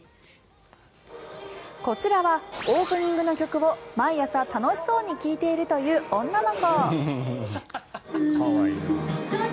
こちらはオープニングの曲を毎朝楽しそうに聴いているという女の子。